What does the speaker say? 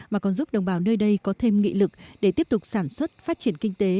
mà còn giúp đồng bào nơi đây có thêm nghị lực để tiếp tục sản xuất phát triển kinh tế